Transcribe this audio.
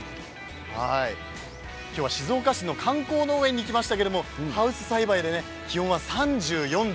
今日は静岡市の観光農園に来ましたけれどもハウス栽培で気温は３４度。